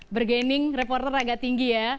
bergening reporter agak tinggi ya